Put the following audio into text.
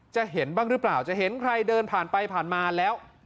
เห็นบ้างหรือเปล่าจะเห็นใครเดินผ่านไปผ่านมาแล้ว